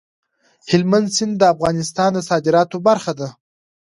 هلمند سیند د افغانستان د صادراتو برخه ده.